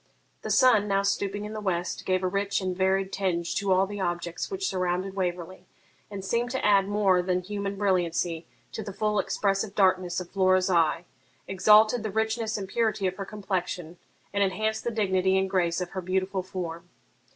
The sun, now stooping in the west, gave a rich and varied tinge to all the objects which surrounded Waverley, and seemed to add more than human brilliancy to the full expressive darkness of Flora's eye, exalted the richness and purity of her complexion, and enhanced the dignity and grace of her beautiful form.